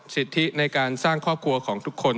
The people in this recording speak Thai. สิทธิในการสร้างครอบครัวของทุกคน